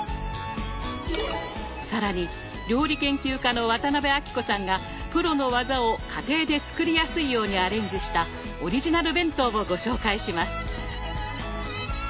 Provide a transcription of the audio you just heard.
更に料理研究家の渡辺あきこさんがプロの技を家庭で作りやすいようにアレンジしたオリジナル弁当をご紹介します。